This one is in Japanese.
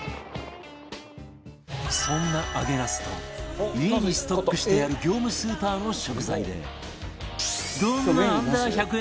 そんな揚げなすと家にストックしてある業務スーパーの食材でどんな Ｕ−１００ 円